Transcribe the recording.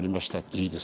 いいです。